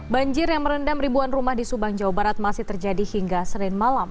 banjir yang merendam ribuan rumah di subang jawa barat masih terjadi hingga senin malam